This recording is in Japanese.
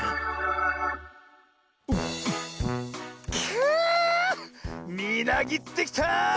くみなぎってきた！